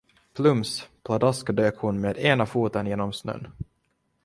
Plums, pladask dök hon med ena foten genom snön.